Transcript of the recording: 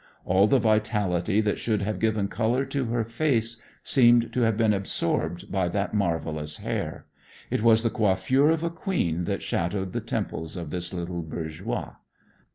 All the vitality that should have given color to her face seemed to have been absorbed by that marvelous hair: It was the coiffure of a queen that shadowed the temples of this little bourgeoise."